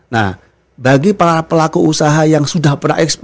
nah bagi para pelaku usaha yang sudah pernah ekspor